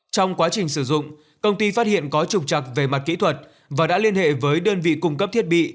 trong quá trình sử dụng công ty phát hiện có trục trặc về mặt kỹ thuật và đã liên hệ với đơn vị cung cấp thiết bị